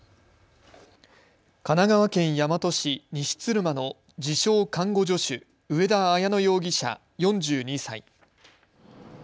神奈川県大和市西鶴間の自称看護助手、上田綾乃容疑者４２歳。